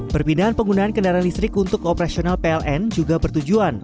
perpindahan penggunaan kendaraan listrik untuk operasional pln juga bertujuan